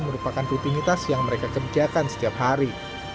merupakan rutinitas yang mereka kerjakan setiap hari